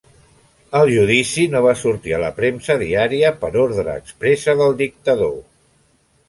El judici no va sortir a la premsa diària per ordre expressa del dictador.